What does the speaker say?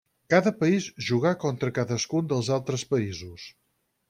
Cada país jugà contra cadascun dels altres països.